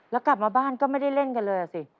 แล้วกลับมาบ้านก็ไม่ได้เล่นกันเลยอ่ะสิ